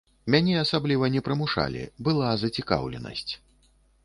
Мяне асабліва не прымушалі, была зацікаўленасць.